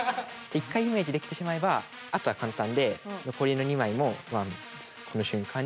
一回イメージできてしまえばあとは簡単で残りの２枚もワンツーこの瞬間に。